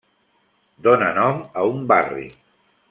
Dona nom a un barri.